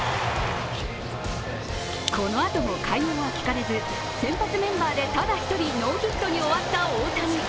このあとも快音は聞かれず、先発メンバーでただ１人ノーヒットに終わった大谷。